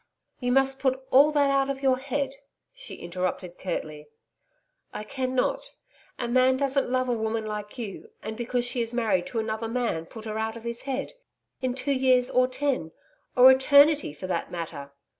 'You must put all that out of your head,' she interrupted curtly. 'I cannot. A man doesn't love a woman like you, and, because she is married to another man, put her out of his head in two years or ten or Eternity, for that matter.'